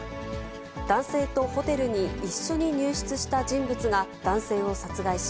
男性とホテルに一緒に入室した人物が男性を殺害し、